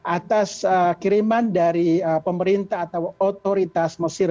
atas kiriman dari pemerintah atau otoritas mesir